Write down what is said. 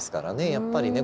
やっぱりね